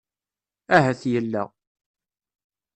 Ahat yella.